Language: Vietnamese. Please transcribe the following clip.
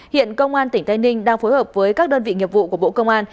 hiện công an tỉnh tây ninh đang phối hợp với các đơn vị nghiệp vụ của bộ công an